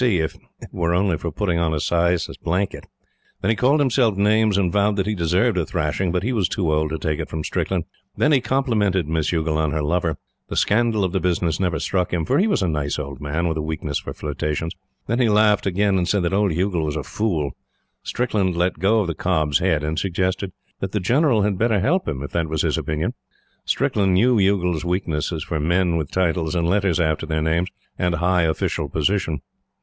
C., if it were only for putting on a sais's blanket. Then he called himself names, and vowed that he deserved a thrashing, but he was too old to take it from Strickland. Then he complimented Miss Youghal on her lover. The scandal of the business never struck him; for he was a nice old man, with a weakness for flirtations. Then he laughed again, and said that old Youghal was a fool. Strickland let go of the cob's head, and suggested that the General had better help them, if that was his opinion. Strickland knew Youghal's weakness for men with titles and letters after their names and high official position.